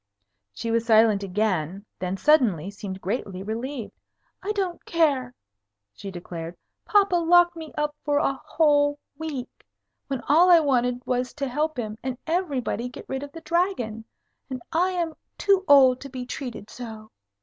She was silent again; then suddenly seemed greatly relieved. "I don't care," she declared. "Papa locked me up for a whole week, when all I wanted was to help him and everybody get rid of the Dragon. And I am too old to be treated so.